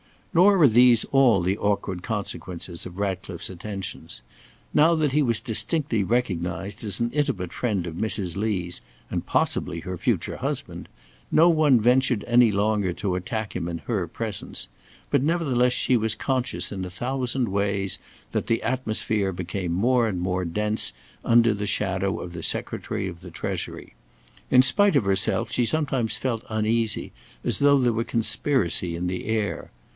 Nor were these all the awkward consequences of Ratcliffe's attentions. Now that he was distinctly recognized as an intimate friend of Mrs. Lee's, and possibly her future husband, no one ventured any longer to attack him in her presence, but nevertheless she was conscious in a thousand ways that the atmosphere became more and more dense under the shadow of the Secretary of the Treasury. In spite of herself she sometimes felt uneasy, as though there were conspiracy in the air.